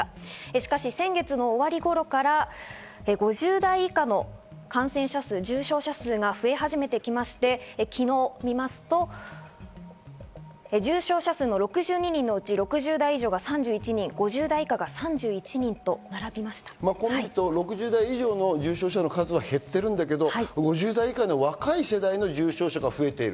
しかし先月の終わり頃から５０代以下の感染者数、重症者数が増え始めてきまして、昨日を見ますと重症者数の６２人のうち、６０代以上が３１人、５０代以下が３１６０代以上は減ってるけど、５０代以下の若い世代の重症者が増えている。